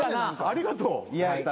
・ありがとう。